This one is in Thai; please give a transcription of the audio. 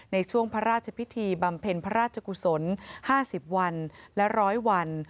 ในช่วงพระราชพิธีบำเพ็ญพระราชกุศล๕๐วันและ๑๐๐วัน